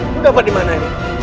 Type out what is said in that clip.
lu dapat dimana ini